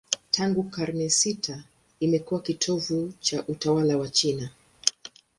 Tangu karne sita imekuwa kitovu cha utawala wa China.